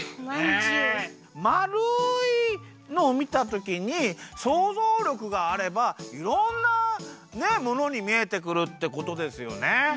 まるいのをみたときにそうぞうりょくがあればいろんなものにみえてくるってことですよね。